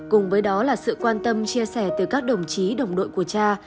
cùng với đó là sự quan tâm chia sẻ từ các đồng chí đồng đội của cha